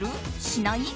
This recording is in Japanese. しない？